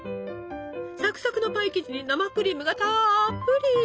サクサクのパイ生地に生クリームがたっぷり！